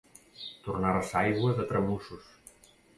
Tornar-se aigua de tramussos.